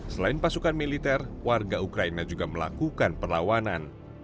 selain pasukan militer warga ukraina juga melakukan perlawanan